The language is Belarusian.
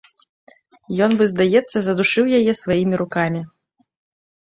Ён бы, здаецца, задушыў яе сваімі рукамі.